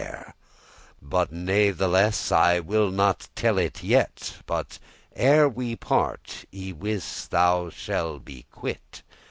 * *innkeeper But natheless, I will not tell it yet, But ere we part, y wis* thou shalt be quit."